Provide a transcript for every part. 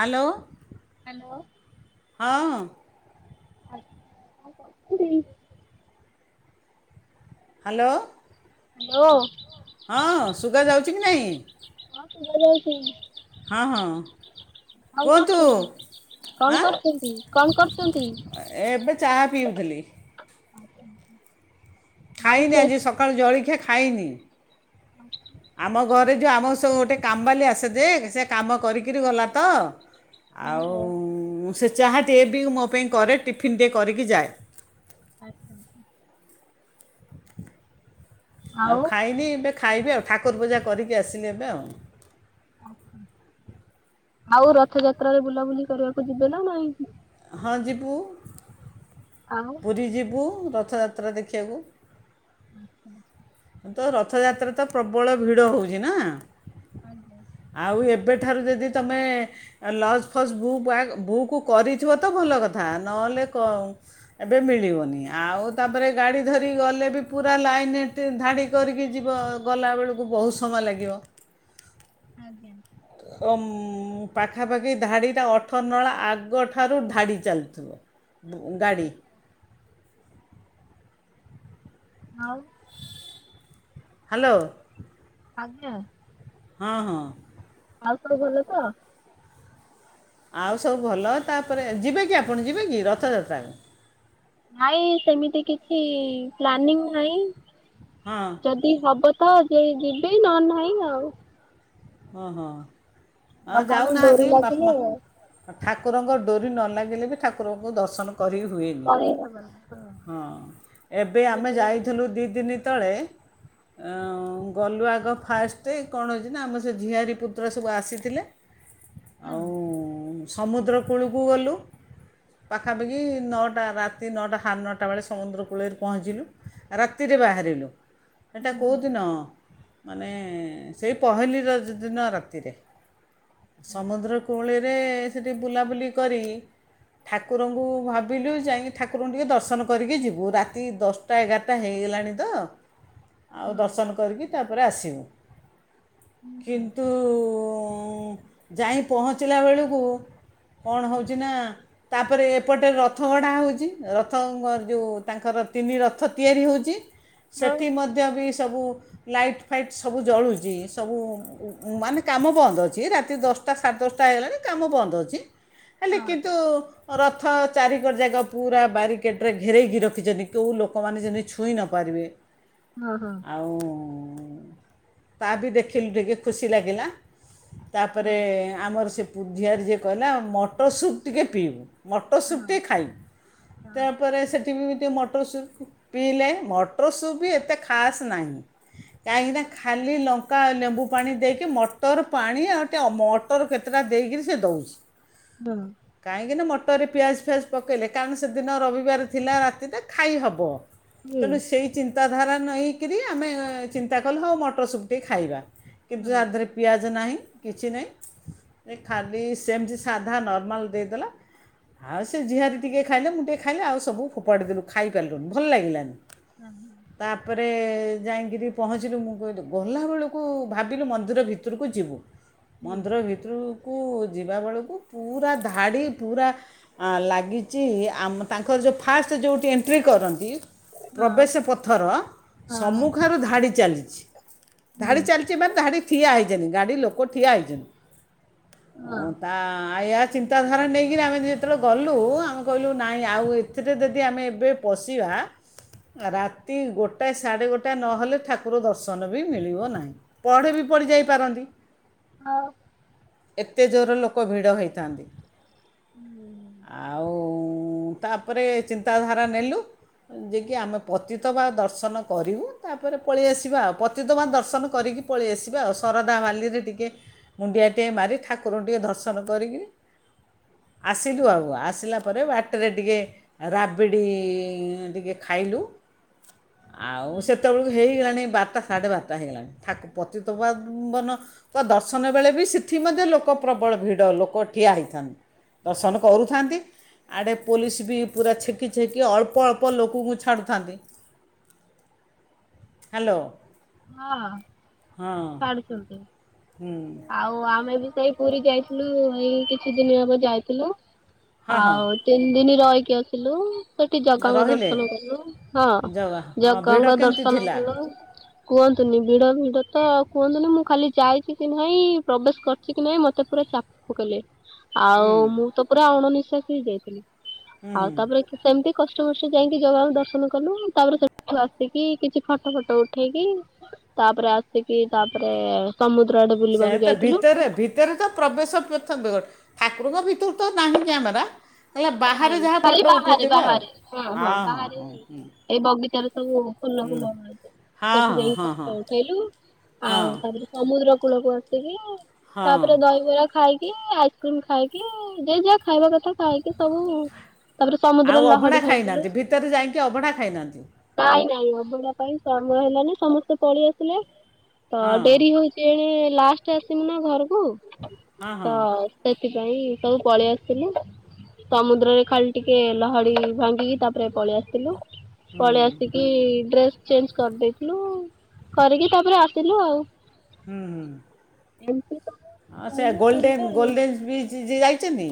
Hello. Hello. ହଁ। ଆଛା। Hello. Hello. ହଁ ଶୁଗା ଯାଉଛି କି ନାହିଁ। ହଁ ଶୁଭାଯାଉଛି ହଁ ହଁ କଣ କୁହନ୍ତୁ କରୁଛନ୍ତି କଣ ଆଁ କରୁଛନ୍ତି କଣ କରୁଛନ୍ତି? ଏବେ ଚାହା ପିଉଥିଲି [unintelligible] ଆଉ ଖାଇନି ସେ ଆଜି ସକାଳୁ ଜଳିକ୍ଷା ଖାଇନି। ଆମ ଘରେ ଯେଉ ଆମ ସବୁ ଗୋଟେ କାମବାଲି ଆସେ ଯେ ସେ କାମ କରିକିରି ଗଲା ତ ଆଉ ଓହୋ ସେ ଚାହାନ୍ତି ଏ ବି ମୋ ପାଇଁ କରେ ଟିଫିନ୍ ଟିକେ କରିକି ଯାଏ। ଆଚ୍ଛା। ଆଉ ଖାଇନି ଏବେ ଖାଇବି ଆଉ ଠାକୁର ପୂଜା କରିକି ଆସିଲି ଏବେ ଆଉ। ଆଉ ରଥଯାତ୍ରାରେ ବୁଲାବୁଲି କରିବାକୁ ଯିବେ ନା ନାଇଁ। ହଁ ଯିବୁ। ଆଉ ପୁରୀ ଯିବୁ ର ରଥଯାତ୍ରା ଦେଖିବାକୁ। ଆଜ୍ଞା ତ ରଥଯାତ୍ରା ତ ପ୍ରବଳ ଭିଡ଼ ହଉଛି ନା। ଆଉ ଏବେଠାରୁ ଯଦି ତୁମେ ଲଜ ଫଜ୍ ବୁକ୍ ବୁକ୍ କରିଥିବ ତ ଭଲ କଥା ନହେଲେ ଏବେ ମିଳିବନି ଆଉ ତାପରେ ଗାଡ଼ି ଧରିକି ଗଲେ ବି ପୁରା ଲାଇନରେ ଧାଡ଼ି କରିକି ଯିବ ଗଲାବେଳକୁ ବହୁତ ସମୟ ଲାଗିବ। ଆଜ୍ଞା। ଉଁ ପାଖାପାଖି ଧାଡ଼ିଟା ଅଠର ନଳା ଆଗଠାରୁ ଧାଡ଼ି ଚାଲିଥିବ। ଗାଡ଼ି। ଆଉ। ହ୍ୟାଲୋ। ଆଜ୍ଞା। ହଁ ହଁ। ଆଉ ସବୁ ଭଲ ତ? ଆଉ ସବୁ ଭଲ ତାପରେ ଯିବେ କି ଆପଣ ଯିବେ କି ରଥଯାତ୍ରା? ନାଇଁ ସେମିତି କିଛି ପ୍ଲାନିଂ ନାହିଁ। ହଁ ଯଦି ହବ ତ ଯ ଯିବେ ନ ନାହିଁ ଆଉ ହଁ ହଁ। ଆଉ ଭଗବାନ ଯାଉନାହାନ୍ତି ଡୋରି ବାପା ମା ଲାଗିଲେ ଠାକୁରଙ୍କ ଡୋରି ନ ଲାଗିଲେ ବି ଠାକୁରଙ୍କୁ ଦର୍ଶନ କରି ହୁଏନି କରେଇ ଦବନି ତ ହଁ ଏବେ ଆମେ ସେଇଟା ବି ଗୋଟେ ଯାଇଥିଲୁ ଦିଦିନି [unintelligible] ଗଲୁ ଆଗ ଫାଷ୍ଟ କଣ ହେଇଚିନା ଆମ ସେ ଝିଆରି ପୁତୁରା ସବୁ ଆସିଥିଲେ କଥା ଆଉ ସମୁଦ୍ରକୂଳକୁ ଗଲୁ। ପାଖାପାଖି ନଅ ରାତି ନଅଟା ସାଢ଼େ ନଅଟା ବେଳେ ସମୁଦ୍ର କୂଳରେ ପହଞ୍ଚିଲୁ ରାତିରେ ବାହାରିଲୁ। ଏଟା ହୁଁ କୋଉଦିନ? ମାନେ ସେଇ ପହିଲି ର ଦିନ ରାତିରେ। ସମୁଦ୍ରକୋଳି ସେଠି ବୁଲାବୁଲି କରି ଠାକୁରଙ୍କୁ ଭାବିଲୁ ଯାଇକି ଠାକୁରଙ୍କୁ ଟିକେ ଦର୍ଶନ କରିକି ଯିବୁ ରାତି ଦଶଟା ଏଗାଟା ହେଇଗଲାଣି ତ ଆଉ ହଁ ଦର୍ଶନ କରିକି ତାପରେ ଆସ ହୁଁ [inaudible] କିନ୍ତୁ ଉ ହୁଁ ଯାଇ ପହଞ୍ଚିଲା ବେଳକୁ କଣ ହଉଛି ନା ତାପରେ ଏପଟେ ରଥଗଢ଼ା ହଉଚି ରଥଙ୍କର ଯୋଉ ତାଙ୍କର ତିନି ରଥ ତିଆରି ହୋଉଚି। ହଁ ସେଠି ମଧ୍ୟ ବି ସବୁ ଲାଇଟ୍ ଫାଇଟ୍ ସବୁ ଜଳୁଚି ସବୁ ମାନେ କାମ ବନ୍ଦ ଅଛି ରାତି ଦଶଟା ସାଢ଼େ ଦଶଟା ହେଇଗଲାଣି କାମ ବନ୍ଦ ଅଛି। ହେଲେ ହଁ କିନ୍ତୁ ରଥ ଚାରିକଡ଼ ଯାକ ପୁରା ବ୍ୟାରିଗେଟରେ ଘେରାଇକି ରଖିଛନ୍ତି କେଉ ଲୋକମାନେ ଯେମିତି ଛୁଇଁ ନ ପାରିବେ। ହଁ ହଁ ଆଉ। ହଁ ତା ବି ଦେଖିଲୁ ଟିକେ। ଖୁସି ଲାଗିଲା। ହଁ ତାପରେ ଆମର ସେ ଝିଆରେ ଯିଏ କଲା ମଟର ସୁପ୍ ଟିକେ ପିଇବୁ। ମଟ ସୁୁପ ହଁ ଟିକେ ଖାଇବୁ ହଁ ତାପରେ ସେଠି ମଟର ସୁପ୍ କୁ ପିଇଲେ ମଟର ସୁପବି ଅତେ ଖାସ ନାହିଁ କାହିଁକିନା ଖାଲି ଲଙ୍କା ଆଉ ଲେମ୍ବୁ ପାଣି ଦେଇକି ମଟର ପାଣି ଆଉ ଟେ ମଟର କେତେଟା ଦେଇକରି ସେ ଦଉଛି। ହଁ କହିଁକିନା ମଟ ଟୋରେ ପିଆଜ ଫିଆଜ ପକାଇଲେ କାରଣ ସେଦିନ ରବିବାର ଥିଲା ରାତିରେ ଖାଇହବ। ହୁଁ ତେଣୁ ସେଇ ଚି ଧାରା ନାହେଇକିରି ଆମେ ଚିନ୍ତା କଲୁ ହଁ ମଟର ସୁପ ଟିକେ ଖାଇବା। କିଛି ହଁ ଆ ଦେହ ରେ ପିଆଜ ନାହିଁ। କିଛି ନାହିଁ ଏ ଖାଲି ସେମ୍ ତି ସାଧା ନର୍ମାଲ ଦେଇଦେଲା ଆଉ ସେ ଝିଆରୀ ଟିକେ ଖାଇଲା ମୁଁ ଟିକେ ଖାଇଲି ଆଉ ସବୁ ଫୋପାଡ଼ି ଦେଲୁ ଖାଇପାରିଲୁନୁ ଭଲ୍ ଲାଗିଲାନି। ହଁ ତାପରେ ଯାଇଙ୍କିରି ପହଞ୍ଚିଲୁ ମୁଁ କହିଲି ଗଲାବେଳକୁ ଭାବିଲୁ ମନ୍ଦିର ଭିତରକୁ ଯିବୁ। ହୁଁ ମନ୍ଦିର ଭିତୁରୁକୁ କୁ ଯିବା ବେଳକୁ ପୁରା ଧାଡ଼ି ପୁରା ଲାଗିଚି ଆମ ତାଙ୍କର ଯୋଉ ଫାଷ୍ଟ ଯୋଉଠି ଏଣ୍ଟ୍ରି କରନ୍ତି ହଁ ପ୍ରବେସ ପଥର ହଁ ସମ୍ମୁଖରୁ ଧାଡ଼ି ଚାଲି [unintelligible] ହୁଁ ତାରିଫ୍ ଚାଲଯିବା ଧାଡିରେ ଠିଆ ହେଇତେ ଗାଡ଼ି ଲୋକଠିଆ ହୋଇଚନ୍ତ ହଁ ଉଁ ତା କାଳିଆ ଚିନ୍ତା ଧାରା ନେଇକି ଆମେ ଯେତେ ବେଳେ ଗଲୁ ଆମେ କହିଲୁ ନାଇଁ ଆଉ ଏଥିରେ ଯଦି ଆମେ ଏବେ ପଶିବା ରାତି ଗୋଟାଏ, ସାଢ଼େ ଗୋଟାଏ ନହେଲେ ଠାକୁର ଦର୍ଶନ ବି ମିଳିବ ନାହିଁ। ବଢି ବି ପଡିଯାଇ ପାରନ୍ତି। ଆଉ ଏତେ ଜୋର ଲୋକ ଭିଡ଼ ହୋଇଥାନ୍ତି। ହୁଁ ଉ ତା ପରେ ଚିନ୍ତା ଧାରା ନେଲୁ। ଯେ କି ଆମେ ପତିତପା କରିକି ପଳି ଆସିବା ଆଉ ସରଧା ବାଲିରେ ଟିକେ ମୁଣ୍ଡିଆ ଟିଏ ମାରିଥ ଆସ ସେଠାରେ ଟିକେ ରାବିଡି ଟିକେ ଖାଇଲୁ। କରିକି ପଳିଆସିବ ବାରଟା ସାଢେ ବାରଟା ବା ଠାକୁ ପତିତ ପା ବସନ କରୁଥାନ୍ତି ଆଡେ ଅଳ୍ପ ଅଳ୍ପ ଲୋକଙ୍କୁ ଛାଡୁଥାନ୍ତି। ହାଲୋ ହଁ ଛାଡୁଚନ୍ତି। ହୁଁ ଆଉ ଆମେ ବି ଏଇ ପୁରି ଯାଇଥିଲୁ। ଏଇ କିଛି ଦିନ ହେବ ଯାଇଥିଲୁ। ହଁ ହଁ ଆଉ ତିନି ଦିନ୍ ରହି କିଏ କିଲୋ ସେଠି ଜଗା କଲୁ ରହିଲେ ହଁ ଜଗା ହଁ ଜଗା ଭିଡ଼ ଙ୍କ କେମିତି ଦର୍ଶନ ଥିଲା କଲ କୁହଁନ୍ତୁନି ଭିଡ଼ ଭିଡ଼ ତ କୁହନ୍ତୁନି ମୁଁ କାଲି ଯାଇଚି। କି ନାହିଁ ପ୍ରବେଶ କରିଛି କି ନାହିଁ ମତେ ପୁରା ଚାପ ପକେଇଲ। ହୁଁ ଆଉ ମୁଁ ତ ପୁରା ଅଣନି ଷାକ ହେଇ ଯାଇଥିଲେ ହୁଁ ଆଉ ହୁଁ ତାପରେ କି ସେମିତି କଷ୍ଟ କଷ୍ଟ ଯାଇକି ଜଗକୁ ଦର୍ଶନ କଲୁ ତାପରେ ସେଠୁ ଆସିକି କିଛି ଫଟୋ ଫଟ ଉଠେଇକି ତାପରେ ଆସିକି ତାପରେ ସମୁଦ୍ର ଆଡେ ସେ ବୁଲିବାକୁ ତ ଯାଇଥିଲୁ। ଭିତରେ ଭିତରେ ତ ପ୍ରବେଶ କରିନ୍ତ ଗୋଟେ ଠାକୁରଙ୍କ ଭିତରୁ ତ ନାହିଁ କି ଆମେରା ନାଇଁ ଖାଲି ବାହାରେ ବାହାରେ ହଁ ହଁ ବାହାରେ ହଁ ହଁ ହୁଁ, ଏଇ ବଗିଚାରେ ସବୁ ଫୁଲ ହୁଁ। ଫୁଲ ହଁ ସେଠି ଯାଇକି ହଁ ହଁ ଫଟ ଉଠେଇଲୁ, ହଁ ଆଉ ତାପରେ ସମୁଦ୍ର କୂଳକୁ ଆସିକି ହଁ ହଁ ତାପରେ ଦହିବରା। ଖାଇକି ଆଇସ୍କ୍ରିମ୍ ଖାଇକି ଯ ଯାହା ଖାଇବା କଥା ଖାଇକି ହ। ଆଉ ଅଭଣା ଖାଇନାହାଁନ୍ତି ଭିତରେ ଯାଇକି ଅଭଣା ଖାଇନାହାନ୍ତି। ଆଉ ଅଭଡ଼ା ପାଇଁ ସମୟ ହେଲାନି ସମସ୍ତେ ପଳେଇ ଆସିଲେ। ତ ହଁ ଡେରି ହଉଛି ଏ। ଲାଷ୍ଟ ଆସିବୁ ନା ଘର ହଁ ତ ହଁ ସେ ସେଥିପାଇଁ ସବୁ ପଳେଇ ଆସିଥିଲୁ। ସମୁଦ୍ରରେ ଖାଲି ଟିକେ ଲହଡି ଭାଙ୍ଗିକି ତାପରେ ପଳେଇ ଆସିଥିଲୁ। ପଳେଇ ଆସିକି ଡ୍ରେସ ଚେଞ୍ଜ କରିଦେଇଥିଲୁ କରିକି ତାପରେ ଆ ଥିଲୁ ଆଉ। ହୁଁ ଏମିତି ଆ ସବୁ ସେ ରହିଲୁ ପୁରୀରେ ଗୋଲଡେନ ଗୋଲଡେନ୍ ବିଚ ଯାଇ ପାଟମେ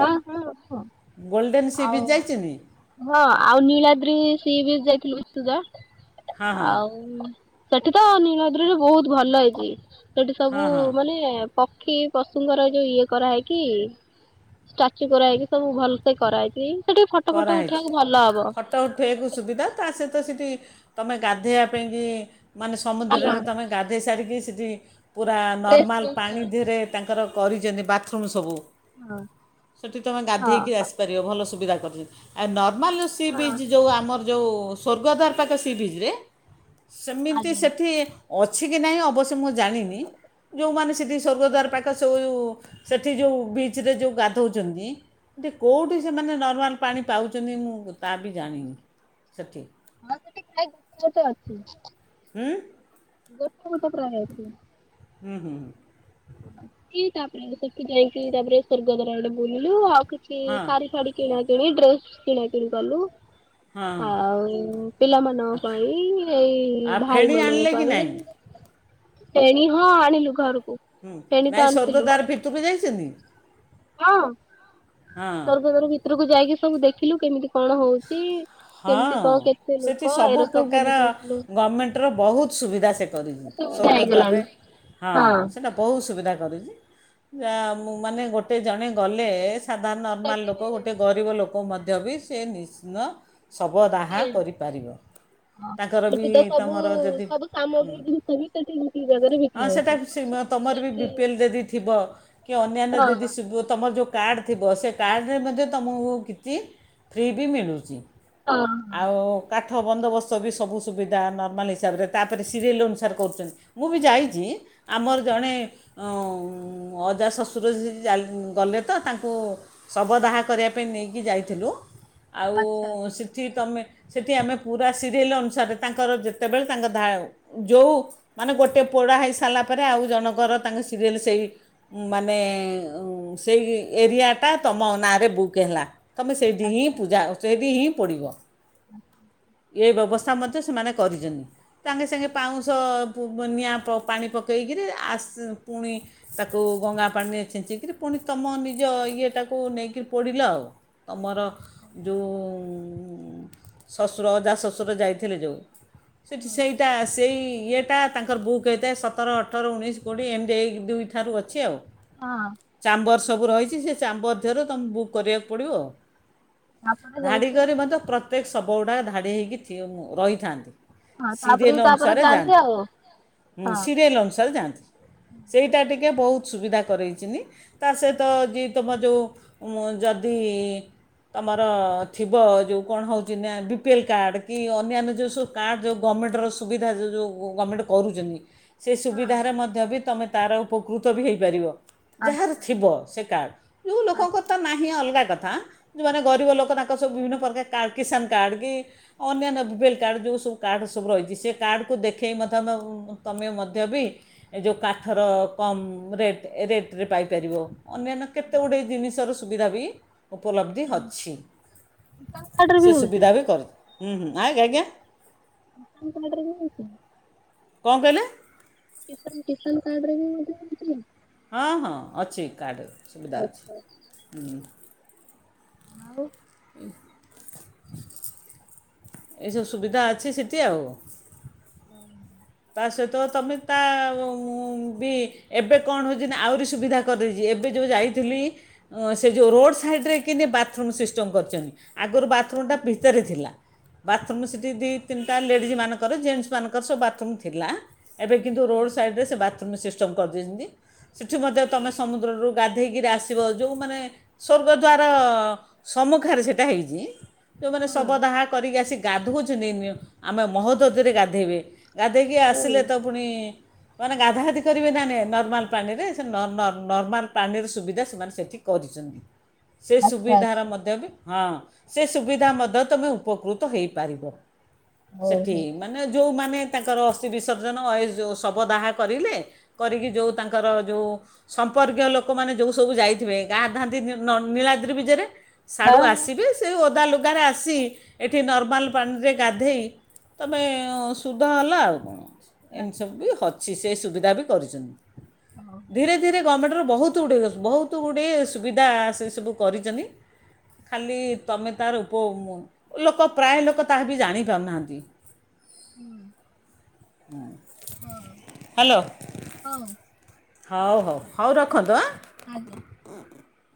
ହ ହ ଗୋଲ୍ଡେନ୍ ସି ବିଚ୍ ଆଉ ଯାଇଛନ୍ତି ହଁ ଆଉ ନୀଳଦି। ଟିଭି ଯାଇଖି ଉ ହଁ ହଁ ଆଉ। ସେଠି ତ ନୀଳଦ୍ରରେ ବହୁତ ଭଲ ହେଇଛି। ସେଠି ସବୁ ହଁ ହଁ ମାନେ ପକ୍ଷୀ ପଶୁଙ୍କର ଯୋଉ ଇଏ କରାହେଇକି ଷ୍ଟାଚୁ କରାହେଇକି ସବୁ ଭଲ ସେେ କରାହେଇକ ସେଠି ଫଟୋ ଫଟୋ କରାହୋଇଛି ଉଠେଇବାକୁ ଫଟୋ ଉଠେଇବାକୁ ସୁବିଧା ତା ସହିତ ସେଇଠି ତୁମେ ଗାଧୋଇବା ପାଇଁକି ମାନେ ସମୁଦ୍ରରେ ତମେ ଗାଧୋଇ ସାରିକି ଦି ସିଧି ପୁରା ନର୍ମାଲ୍ ପାଣି ଦେହରେ ତାଙ୍କର କରିଛନ୍ତି ବାଥରୁମ୍ ସବୁ ସେଠି ତମେ ହଁ ଗାଧକି ଆସିପାରିବ ଭ ସୁବିଧ କଥା ଏ ନ ହଁ ଲୁ ଯଉ ଆମର ଯେଉଁ ସଵର୍ଗଦାର ପାଖ ସିିବିକିରେ। ସମ୍ମତି ସଠି। ଅଛି କି ନାହିଁ ଅବଶ୍ୟ ମୁଁ ଜାଣିନି ଯେଉଁମାନେ ସେଠି ସ୍ୱର୍ଗଦ୍ୱାର ପାଖ ସେ ଯେଁ ସେଠି ଯେଉଁ ବିଚ୍ରେ ଯେଉଁ ଗାଧଉଛନ୍ତି ଟ କେଉଁଠି ସେମାନେ ନର୍ମାଲ୍ ପାଣି ପାଉଛନ୍ତି ମୁଁ ତା ବି ଜାଣିନି? ସେଠି ହଁ ସେଠି ଖ ଗୋେ ଗୋଟେ ଅଛି। ଗୋଟେ ଗୋଟେ ପ୍ରାୟେ ଥିଲା ହୁଁ ହୁଁ। ତାପରେ ସେଠି ଯାଇକି ତାପରେ ସ୍ଵର୍ଗଦ୍ଵାର ଆଡେ ବୁଲିଲୁ ଆଉ। କିଛି ହଁ ସାଡି ଫାଦି କିଣା କିଣି ଡ୍ରେସ କିଣକିଣଗଲୁ। ହଁ ଆଉ ପିଲାମାନଙ୍କ ପାଇଁ ଏଇ ଆଉ ଭାଇ ଫେଣି ମାନଙ୍କ ଆଣିଲେ କି ପାଇଁ। ନାହିଁ ଏଣୀ ହଁ ଆଣିଲୁ ଘରକୁ। ହୁଁ ଫେଣି ନାଇଁ ତ ଆଣିଥିଲୁ ସ୍ୱର୍ଗଦ୍ଵାରାଭିତିତକୁ ଯାଇଛନ୍ତି। ହଁ [inaudible] ହଁ ସ୍ୱଗଦ୍ଵାର ପତ୍ରକୁ ଯାଇକି ସବୁ ଦେଖିଲୁ କେମିତି କଣ ହଉଛି? କେମିତି ହଁ କଣ କେତେ ସେଠି ଲୋକ ସବୁ ଏରା ପ୍ର୍ରକାର ବୁଲିକି ଆସିଲୁ ଗଭର୍ଣ୍ଣମେଣ୍ଟର ବହୁତ ସୁବିଧା ସେ କରିଛି ସୁବିଧା ସ୍ୱର୍ଗଦ୍ୱାରରେ ହେଇଗଲାଣି। ହଁ ସେଇଟା ବହୁତ ସୁବିଧା। ଯ ମାନେ ଗୋଟେ ଜଣେ ଗଲେ। ସାଧାରଣ ନର୍ମାଲ ସେଠି ଲୋକ ଗୋଟେ ଗରିବ ଲୋକ। ମଧ୍ୟ ବି ସେ ନିଶ୍ଚିତ ଶବ ଦାହା କରିପାରିବ ତାଙ୍କର ବି ସେଠି ତ ସବୁ ତମର ଯଦି ସବୁ ସାମଗ୍ରୀ ଜିନିଷ ବି ସେଠି ଗୋଟିଏ ଜାଗାରେ ହଁ ବିକ୍ରି ହଉଛି। ସେଇଟା ତୁମର ବି ବି ସେଠି ପିଏଲ୍ ଯଦି ଥିବ କି ଅନ୍ୟାନ୍ୟ ଯଦି ତୁମର ଯେଉଁ କାର୍ଡ଼ ଥିବ ସେ କାର୍ଡ଼ରେ ମଧ୍ୟ ତୁମକୁ କିଛି ଫ୍ରି ବି ମିଳୁଛି। ଆଉ କାଠ କଠ ବନ୍ଦୋବସ୍ତ ବି ସବୁ ସୁବିଧା ନର୍ମାଲ ହିସାବରେ ତପରେ ସିରିଏଲ ଅନୁସାରେ କରୁଛନ୍ତି ମୁଁ ବି ଯାଇଛି ଆମର ଜଣେ ଅଜା ହଶଶୁର ଗଲେ ତ ତାଙ୍କୁ ଶବଦାହା କରିବା ପାଇଁ ନେଇକି ଯାଇଥିଲୁ। ଆଉ ସେ ତୁମେ ସେଠି ଆମେ ପୁରା ସିରିଏଲ ଅନୁସାରେ ତାଙ୍କର ଯେତେବେଳେ ତାଙ୍କ ଯେଉଁ ମାନେ ଗୋଟିେ ପୋଡ଼ା ହେଇସାରିଲା ପରେ ଆଉ ଜଣଙ୍କର ତାଙ୍କ ସିରିଏଲ ସେଇ ମାନେ ସେଇ ଏରିଆଟା ତୁମ ନାଁରେ ବୁକ୍ ହେଲା ତୁମେ ସେଇଠି ହିଁ ପୂଜା ସେଇଠି ହିଁ। ପିଡିବ। [inaudible] ଏ ବ୍ୟବସ୍ଥା ମଧ୍ୟ ସେମାନେ କରିଛନ୍ତିଛନ୍ତି ସାଙ୍ଗେ ସାଙ୍ଗେ ପାଉଁଶ ନିଆଁ ପାଣି ପକେଇକରି ପୁଣି ତାକୁ ଗଙ୍ଗା ପାଣିରେ ଛେଞ୍ଚିକିରି ପୁଣି ତୁମ ନିଜ ଇଏଟାକୁ ନେଇକିରି ପଡ଼ିଲ ଆଉ ତମର ଯୋଉ [unintelligible] ଅଜା ଶ୍ୱଶୁରରେ ଯାଇଥିଲେ ଯେଉଁ ସେଠି ସେଇଟା ସେଇ ଇଏ ଟା ତାଙ୍କର ବୁକ୍ ହେଇଥାଏ ସତର ଅଠର ଉଣେଇଶ କୋଡ଼ିଏ ଏମ୍ ଡି ଏ ଦୁଇ ଠାରୁ ଅଛି ଆଉ। ହଁ। ଚାମ୍ବର ସବୁ ରହିଛି ସେ ଚାମ୍ବର ଦେହରେ ତୁମକୁ ବୁକ୍ କରିବାକୁ ପଡ଼ିବ ଆଉ। ଧାଡି କରି ମଧ୍ୟ ପ୍ରତ୍ୟେକ ଶବ୍ଦ କୋଡ଼ା ଧାଡ଼ି ହୋଇକି ଠି ରହିଥାନ୍ତି। ହଁ ତାପରେ ସିରିଏଲ ବି ତାପରେ ଅନୁସାରେ ଯାଆନ୍ତି ଆଉ ସିରିଏଲ ଅନୁସାରେ ଯାଆନ୍ତି ସେଇଟା ଟିକେ ବହୁତ ସୁବିଧା କରରେଇଚନ୍ତି ତା ସହିତ ଯ ତୁମ ଯେଉ ଯଦି ତମର ଥିବ ଯେ କଣ ହେଉଛି ନା ପି ବିପିଏଲ୍ କାର୍ଡ କି ଅନ୍ୟାନ୍ୟ ଯଉ ସୁ କାର୍ଡଉଁ ଗଭର୍ଣ୍ଣମେଣ୍ଟର ସୁବିଧାଉ ଗଭର୍ଣ୍ଣମେଣ୍ଟ କରୁଚନ୍ତି। ସେ ସୁବିଧାରେ ମଧ୍ୟ ବି ତମେ ତାର ଉପକୃତ ବି ହେଇପାରିବ। ଯାହାର ଥିବ ସେ କାର୍ଡ଼ ଯୌ ଲୋକଙ୍କତ ନାହିଁ ଅଲଗା କ ଆଁ ଯୋାନେ ଗରିବ ଲୋକ ତାଙ୍କ ସବୁ ବିଭିନ୍ନ ପ୍ରକାର କାର୍ କିଷାନ କାର୍ଡ କି ଅନ୍ୟାନ୍ୟ ଭଲ କାର୍ଡ଼ ଯେଉଁ ସବୁ କାର୍ଡ଼ ସବୁ ରହିଛି ସେ କାର୍ଡ଼କୁ ଦେଖେଇ ମଧ୍ୟ ତୁମେ ମଧ୍ୟ ବି ଯେଉଁ କାଠର କମ ରେ ରେଟରେ ପାଇପାରିବ। ଅନ୍ୟାନ୍ୟ କେତେ ଗୁଡଏ ଜିନିଷ ର ସୁବିଧା ବି ଉପଲବ୍ଧି ଅଛି କିଷାନ କାର୍ଡରେ ବି ସେ ହଉଛି। ସୁବିଧା ବି କରି ହୁଁ ହଁ ଆଜ୍ଞା ଆଜ୍ଞା। [unintelligible] କଣ କହିଲେ? କିଷାନ୍ କିଷାନ୍ କାର୍ଡ ରେ ବି ମଧ୍ୟ [unintelligible] ହଁ ହଁ ଅଛି କାର୍ଡ। ସୁବିଧା ଅଛି ହୁଁ। ଆଉ ଏସବୁ ସୁବିଧା ଅଛି ସେଠି ଆଉ। ହଁ। ତା ସହିତ ତମେ ତା ବି ଏବେ କଣ ହେଉଛି ନା ଆହୁରି ସୁବିଧା କରିେଇଛି ଏବେ ଯେଉଁ ଯାଇଥିଲି ସେ ଯେଉଁ ରୋଡ଼ ସାଇଡ଼ରେ କିନି ବାଥରୁମ୍ ସିଷ୍ଟମ କରିଛନ୍ତି। ଆଗରୁ ବାଥରୁମ୍ ଟା ଭିତରେ ଥିଲା। ବାଥରୁମ ସେଠ ଦି ତିନିଟା ଲେଡି ମାନଙ୍କର ଜେଟ ମଙ୍କର ସବୁ ବାଥ୍ ଥିଲା। ଏବେ କିନ୍ତୁ ରୋଡ ସାଇଡ ରେ ସେ ବାତ ସିଷ୍ଟମ କରିଦେଇଛନ୍ତି ସେଠି ମଧ୍ୟ ତୁମେ ସମୁଦ୍ରରୁ ଗାଧେଇକରି ଆସିବ ଯେଉଁମାନୋନେ ସ୍ୱର୍ଗ ଦ୍ୱାର ସମ୍ମୁଖରେ ସେଇଟା ହେଇଛି। ଯୋଉମାନେେ ଶବଦାହା କରିକି ଆସିିକ ଗାଧୋଉଚୁ ନିନି ନିଅ ଆମେ ମହୋଦଦିରେ ଗାଧେଇବେ ଗା ଦେଇକି ଆସିଲେ ତ ପୁଣି ମାନେ ଗାଧାଗାଧି କରିବେ ନାନେ ନର୍ମାଲ ପାଣିରେ ସେ ନ ନ ନର୍ମାଲ ପାଣିର ସୁବିଧା ସେମାନେ ସେଠି କରିଛନ୍ତି। ସେ ସୁବିଧାର ମଧ୍ୟ ବି ହଁ ସେ ସୁବିଧା ମଧ୍ୟ ତମେ ଉପକୃତ ହେଇପାରିବ। ସେଠି ମାନେ ଯୋଉମାନ୍ ତାଙ୍କର ଅସ୍ଥି ବିସର୍ଜନ ଅ ଏଜଉ ଶବଦାହା କରିଲେ କରିକି ଯଉ ତାଙ୍କର ଯଉ ସମ୍ପର୍କୀୟ ଲୋକମାନେ ଯଉ ସବୁ ଯାଇଥିବେ ଗାଧାଥାଆନ୍ତି ନି ନୀଳାଦ୍ରି ବିଜେରେ। ସାଡୁ ଆସିବେ ସେ ଓଦା ଲୋ ଦାରେ ଆସି ଏଠି ନର୍ମାଲ ପାଣିରେ ଗାଧେଇ ତମେ ଉଁସୁ [inaudible] ଆଉ। ଏମିତି ସବୁ [inaudible] ଚି ସେ ସୁବିଧା ବି କରୁଚନ୍ତି ଧୀରେ ଧୀରେ ଗମେଟର [unintelligible] ବହୁତ୍ ଗୁଡ଼ିଏ ବହୁତୁ ଗୁଡ଼ିଏ ସୁବିଧା ସେ ସବୁ କରିଚନ୍ତି ଖାଲି ତମେ ତାର ଉପ ଲୋକ ପ୍ରାୟ ଲୋକ ତାହାବି ଜାଣିପାରୁ ନାହାଁନ୍ତି। [inaudible] [inaudible] ଅ ହ୍ୟାଲୋ ହୋଉ ହଉ ହଉ ହଉ ରଖନ୍ତୁ ଆଁ। [inaudible]